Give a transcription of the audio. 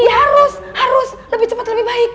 iya harus harus lebih cepet lebih baik